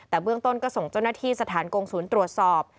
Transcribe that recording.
แต่เบื้องต้นก็ส่งเจ้าหน้าที่สถานกงศูนย์ตรวจสอบ